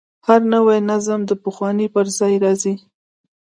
هر نوی نظم د پخواني پر ځای راځي.